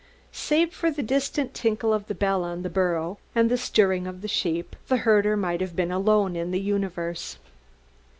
Save for the distant tinkle of the bell on the burro, and the stirring of the sheep, the herder might have been alone in the universe.